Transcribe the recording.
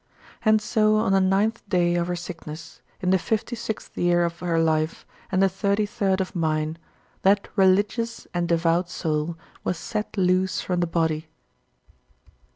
And so on the ninth day of her sickness, in the fifty sixth year of her life and the thirty third of mine, that religious and devout soul was set loose from the body.